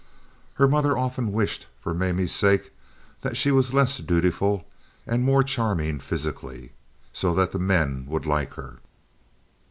Her mother often wished for Mamie's sake that she was less dutiful and more charming physically, so that the men would like her.